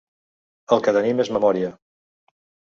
El que tenim és memòria.